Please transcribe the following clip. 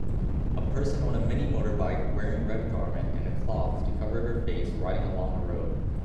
A person on a mini motorbike wearing red garment and a cloth to cover her face riding along a road